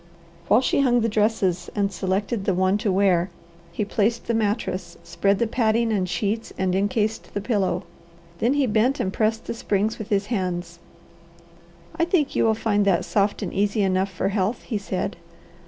While she hung the dresses and selected the one to wear, he placed the mattress, spread the padding and sheets, and encased the pillow. Then he bent and pressed the springs with his hands. "I think you will find that soft and easy enough for health," he said.